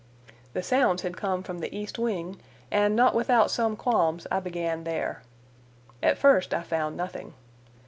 The sounds had come from the east wing, and not without some qualms I began there. At first I found nothing.